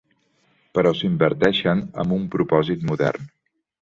Però s'inverteixen amb un propòsit modern.